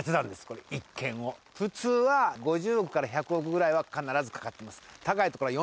これ１軒を普通は５０億から１００億ぐらいは必ずかかってます